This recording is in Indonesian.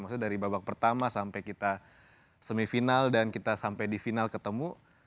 maksudnya dari babak pertama sampai kita semifinal dan kita sampai di final ketemu